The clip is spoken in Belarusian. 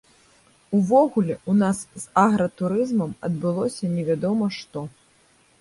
Увогуле, у нас з агратурызмам адбылося невядома што.